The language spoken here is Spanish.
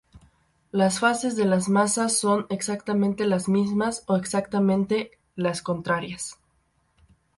Las fases de las masas son exactamente las mismas o exactamente las contrarias.